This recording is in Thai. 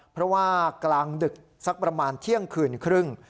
เพราะว่ากลางดึกสักประมาณเที่ยงคืนครึ่ง